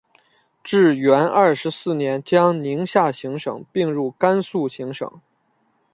至元二十四年将宁夏行省并入甘肃行省。